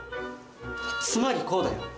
つまりこうだよ。